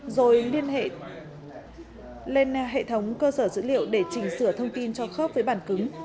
rồi liên hệ lên hệ thống cơ sở dữ liệu để chỉnh sửa thông tin cho khớp với bản cứng